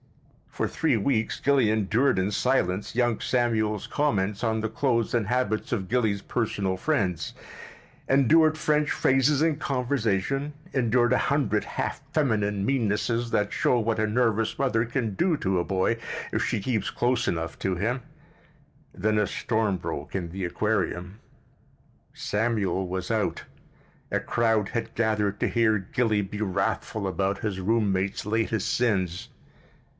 For three weeks Gilly endured in silence young Samuel's comments on the clothes and habits of Gilly's personal friends, endured French phrases in conversation, endured a hundred half feminine meannesses that show what a nervous mother can do to a boy, if she keeps close enough to him—then a storm broke in the aquarium. Samuel was out. A crowd had gathered to hear Gilly be wrathful about his roommate's latest sins.